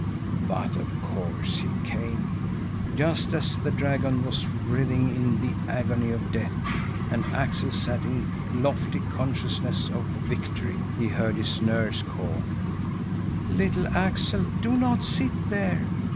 But of course he came. Just as the dragon was writhing in the agony of death and Axel sat in lofty consciousness of victory, he heard his nurse call: "Little Axel, do not sit there!